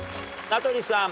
名取さん。